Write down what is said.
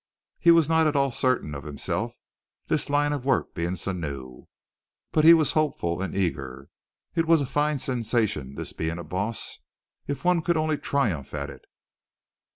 He was not at all certain of himself this line of work being so new but he was hopeful and eager. It was a fine sensation, this being a boss, if one could only triumph at it.